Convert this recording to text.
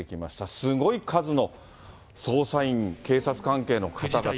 すごい数の捜査員、警察関係の方々ですね。